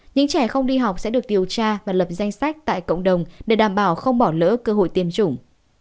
những trẻ không đi học sẽ được điều tra và lập danh sách tại cộng đồng để đảm bảo không bỏ lỡ cơ hội tiêm chủng